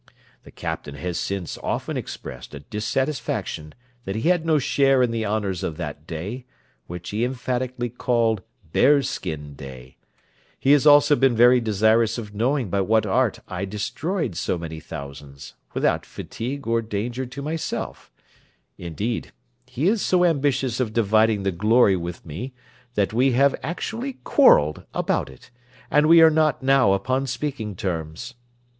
The captain has since often expressed a dissatisfaction that he had no share in the honours of that day, which he emphatically called bear skin day. He has also been very desirous of knowing by what art I destroyed so many thousands, without fatigue or danger to myself; indeed, he is so ambitious of dividing the glory with me, that we have actually quarrelled about it, and we are not now upon speaking terms.